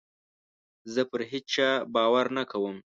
زه پر هېچا باور نه کوم.